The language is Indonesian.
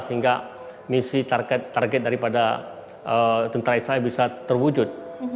sehingga misi target daripada tentara israel bisa terwujud